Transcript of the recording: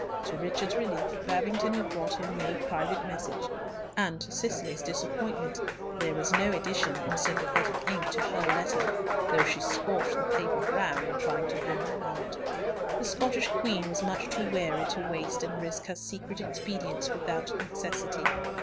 To Richard's relief, Babington had brought him no private message, and to Cicely's disappointment, there was no addition in sympathetic ink to her letter, though she scorched the paper brown in trying to bring one out. The Scottish Queen was much too wary to waste and risk her secret expedients without necessity.